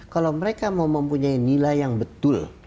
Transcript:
kalau mereka mau mempunyai nilai yang betul